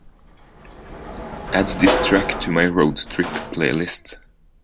add this track to my road trip playlist